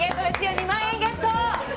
２万円ゲット